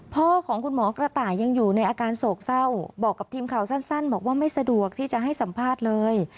พ่อของคุณหมอกระต่ายยังอยู่ในอาการโศกเศร้าบอกกับทีมข่าวสั้นบอกว่าไม่สะดวกที่จะให้สัมภาษณ์เลย